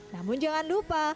namun jangan lupa